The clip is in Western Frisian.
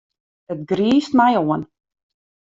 It griist my oan.